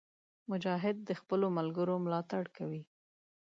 مجاهد د خپلو ملګرو ملاتړ کوي.